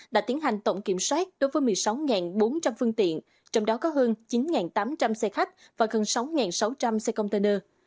đã tiến hành tổng kiểm soát đối với một mươi sáu bốn trăm linh phương tiện trong đó có hơn chín tám trăm linh xe khách và gần sáu sáu trăm linh xe container